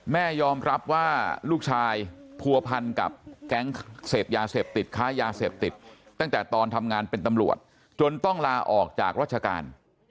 แม่ยอมรับว่าลูกชายผัวพันกับแก๊งเสพยาเสพติดค้ายาเสพติดตั้งแต่ตอนทำงานเป็นตำรวจจนต้องลาออกจากราชการ